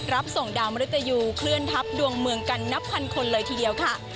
รับส่งดาวมริตยูเคลื่อนทัพดวงเมืองกันนับพันคนเลยทีเดียวค่ะ